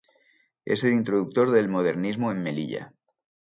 Es el introductor del modernismo en Melilla.